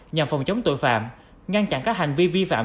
nhằm phòng chống tội phạm ngăn chặn các hành vi vi phạm